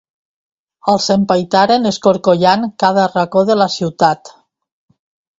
Els empaitaren escorcollant cada racó de la ciutat.